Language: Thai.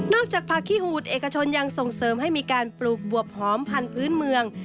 จากผักขี้หูดเอกชนยังส่งเสริมให้มีการปลูกบวบหอมพันธุ์เมือง